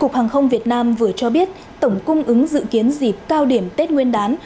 cục hàng không việt nam vừa cho biết tổng cung ứng dự kiến dịp cao điểm tết nguyên đán